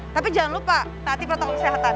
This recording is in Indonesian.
tapi jangan lupa taati protokol kesehatan